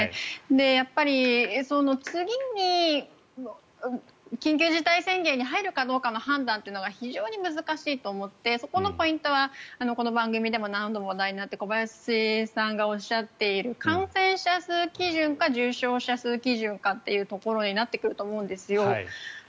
やっぱり、次に緊急事態宣言に入るかどうかの判断っていうのが非常に難しいと思ってそこのポイントはこの番組でも何度も話題になって小林さんがおっしゃっている感染者数基準か重症化基準かっていうところになってくると思うんですよ。